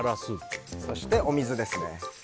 そして、お水です。